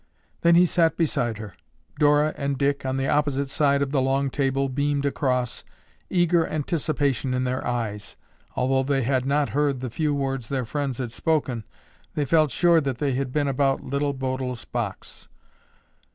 Then he sat beside her. Dora and Dick, on the opposite side of the long table, beamed across, eager anticipation in their eyes. Although they had not heard the few words their friends had spoken, they felt sure that they had been about Little Bodil's box.